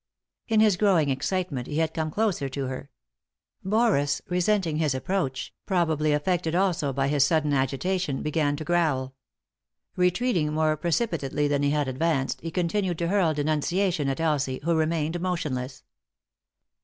In his growing excitement he had come closer to her. Boris, resenting his approach, probably affected also by bis sudden agitation, began to growl. Retreating more precipitately than he had advanced, he continued to hurl denunciation at Elsie, who remained motionless.